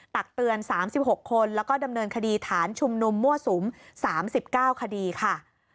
ตักเตือน๓๖คนแล้วก็ดำเนินคดีฐานชุมนุมมั่วสุม๓๙คดีค่ะ